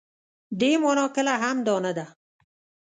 دې مانا کله هم دا نه ده.